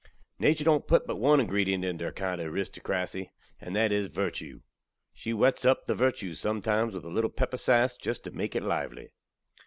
Natur don't put but one ingredient into her kind ov aristokrasy, and that iz virtew. She wets up the virtew, sumtimes, with a little pepper sass, just tew make it lively.